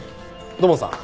土門さん